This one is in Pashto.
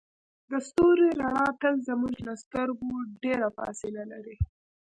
د ستوري رڼا تل زموږ له سترګو ډیره فاصله لري.